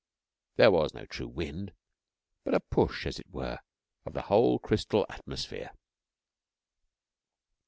There was no true wind, but a push, as it were, of the whole crystal atmosphere.